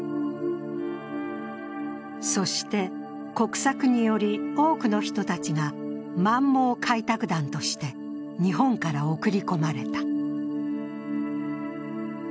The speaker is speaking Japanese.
そして、国策により多くの人たちが満蒙開拓団として日本から送り込まれた。